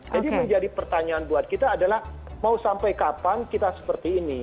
jadi menjadi pertanyaan buat kita adalah mau sampai kapan kita seperti ini